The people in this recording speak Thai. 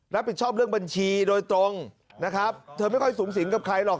เรื่องบัญชีโดยตรงนะครับเธอไม่ค่อยสูงสิงกับใครหรอก